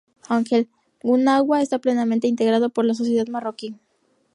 Aunque el Gnawa ya está plenamente integrado en la sociedad marroquí.